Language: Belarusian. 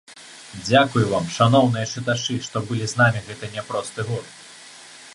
Дзякуй вам, шаноўныя чытачы, што былі з намі гэты няпросты год!